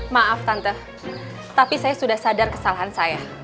maaf tante tapi saya sudah sadar kesalahan saya